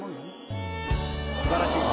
すばらしい。